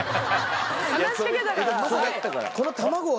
話しかけたから。